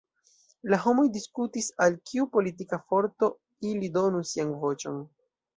La homoj diskutis al kiu politika forto ili donu sian voĉon.